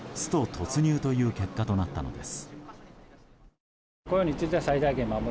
突入という結果となったのです。